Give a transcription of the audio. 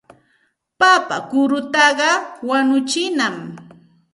Papa kurutaqa wañuchinam.